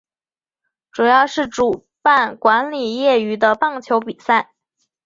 主要是主办管理业余的棒球比赛。